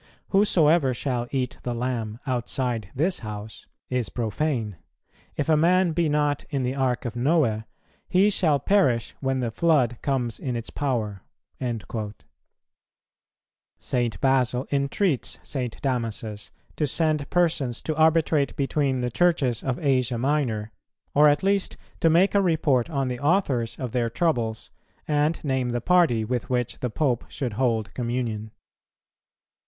Whosoever shall eat the Lamb outside this House is profane; if a man be not in the Ark of Noe, he shall perish when the flood comes in its power."[160:1] St. Basil entreats St. Damasus to send persons to arbitrate between the Churches of Asia Minor, or at least to make a report on the authors of their troubles, and name the party with which the Pope should hold communion.